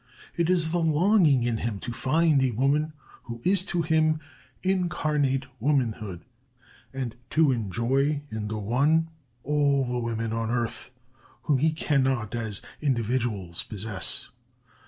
It is the longing in him to find a woman who is to him incarnate womanhood, and to enjoy, in the one, all the women on earth, whom he cannot as individuals possess.